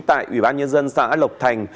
tại ủy ban nhân dân xã lộc thành